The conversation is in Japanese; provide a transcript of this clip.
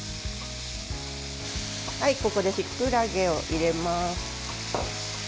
ここできくらげを入れます。